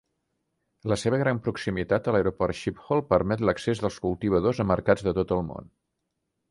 La seva gran proximitat a l'Aeroport Schiphol permet l'accés dels cultivadors a mercats de tot el món.